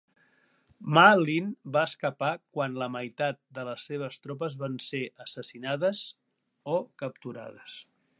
Ma Lin va escapar quan la meitat de les seves tropes van ser assassinades o capturades.